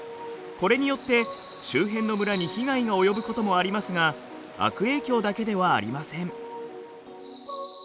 これによって周辺の村に被害が及ぶこともありますが悪影響だけではありません。